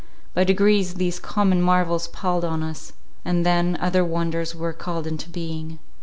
By degrees these common marvels palled on us, and then other wonders were called into being.